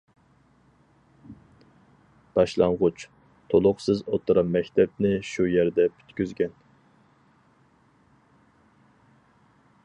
باشلانغۇچ، تولۇقسىز ئوتتۇرا مەكتەپنى شۇ يەردە پۈتكۈزگەن.